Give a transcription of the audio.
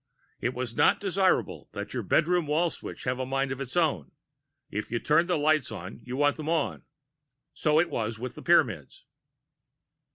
It is not desirable that your bedroom wall switch have a mind of its own; if you turn the lights on, you want them on. So it was with the Pyramids.